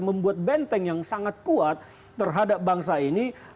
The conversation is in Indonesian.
membuat benteng yang sangat kuat terhadap bangsa ini